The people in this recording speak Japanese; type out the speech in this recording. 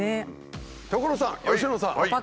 所さん佳乃さん！